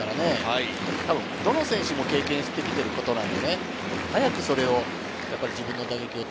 どの選手も経験してきてることなんで、早くそれを自分の打球を